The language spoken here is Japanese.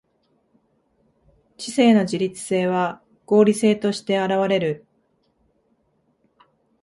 知性の自律性は合理性として現われる。